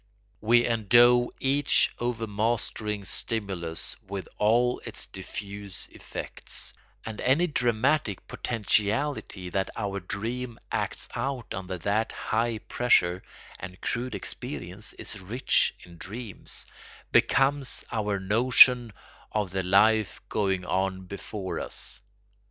We endow each overmastering stimulus with all its diffuse effects; and any dramatic potentiality that our dream acts out under that high pressure—and crude experience is rich in dreams—becomes our notion of the life going on before us.